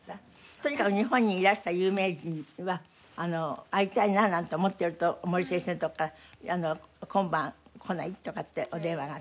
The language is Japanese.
とにかく日本にいらした有名人は会いたいななんて思ってると森先生のとこから「今晩来ない？」とかってお電話があって。